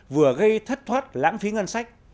vừa gây thất thoát lãng phí ngân sách